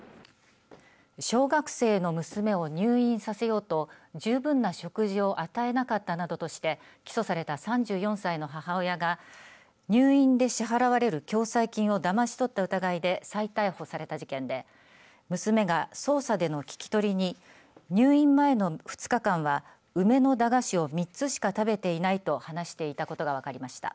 小学生の娘を病院させようと十分な食事を与えなかったなどとして起訴された３４歳の母親が入院で支払われる共済金をだまし取った疑いで再逮捕された事件で娘が捜査での聞き取りに対し入院前の２日間は梅の駄菓子を３つしか食べていないと話していたことが分かりました。